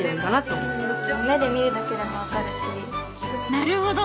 なるほど。